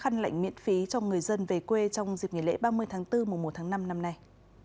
khăn lạnh miễn phí cho người dân về quê trong dịp nghỉ lễ ba mươi tháng bốn mùa một tháng năm năm nay